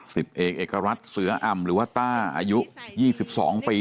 สิบเอกเอกรัฐเสืออ่ำหรือว่าต้าอายุ๒๒ปี